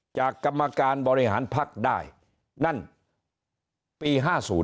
กรรมการบริหารพักได้นั่นปี๕๐